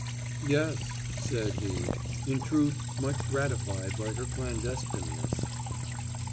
"Yes," said he, in truth much gratified by her clandestineness.